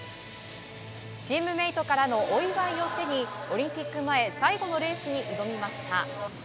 チームメートからのお祝いを背にオリンピック前最後のレースに挑みました。